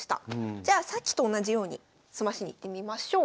じゃあさっきと同じように詰ましにいってみましょう。